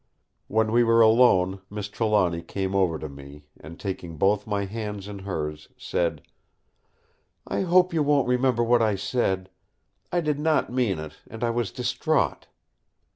When we were alone Miss Trelawny came over to me, and taking both my hands in hers, said: "I hope you won't remember what I said. I did not mean it, and I was distraught."